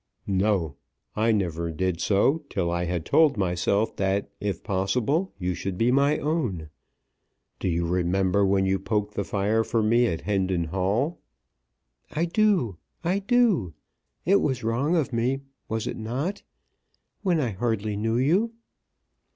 "No! I never did so till I had told myself that, if possible, you should be my own. Do you remember when you poked the fire for me at Hendon Hall?" "I do; I do. It was wrong of me; was it not; when I hardly knew you?"